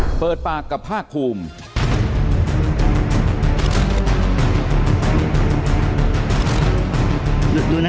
มันเปิดปากกับผ้ากภูมิ